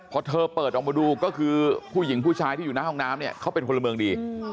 พอเธอเปิดออกมาดูก็คือผู้หญิงผู้ชายที่อยู่หน้าห้องน้ำเนี่ยเขาเป็นคนละเมืองดี